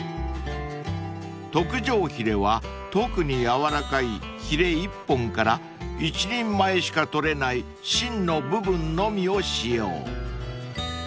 ［特上ヒレは特にやわらかいヒレ１本から１人前しか取れない芯の部分のみを使用］